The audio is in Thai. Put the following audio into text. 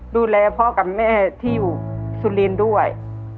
ดูแลพ่อกับแม่ที่อยู่สุรินทร์ด้วย